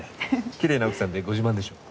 きれいな奥さんでご自慢でしょう。